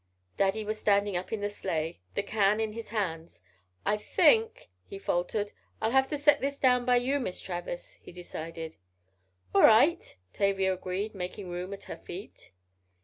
Daddy was standing up in the sleigh, the can in his hands, "I think," he faltered, "I'll have to set this down by you, Miss Travers," he decided. "All right," Tavia agreed, making room at her feet.